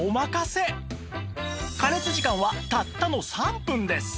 加熱時間はたったの３分です